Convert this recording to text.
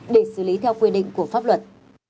để xử lý theo quy định của pháp luật